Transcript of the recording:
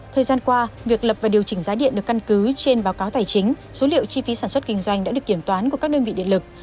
thời gian qua việc lập và điều chỉnh giá điện được căn cứ trên báo cáo tài chính số liệu chi phí sản xuất kinh doanh đã được kiểm toán của các đơn vị điện lực